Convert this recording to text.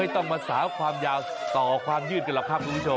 ถูก